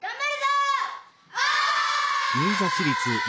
お！